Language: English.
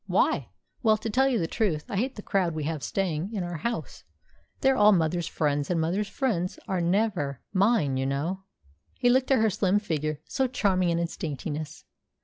"Why?" "Well, to tell you the truth, I hate the crowd we have staying in our house. They are all mother's friends; and mother's friends are never mine, you know." He looked at her slim figure, so charming in its daintiness.